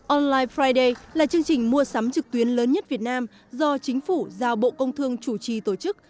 online friday là chương trình mua sắm trực tuyến lớn nhất việt nam do chính phủ giao bộ công thương chủ trì tổ chức